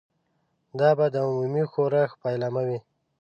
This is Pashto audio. دا به د عمومي ښورښ پیلامه وي.